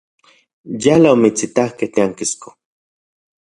Yala otimitsitakej tiankisko.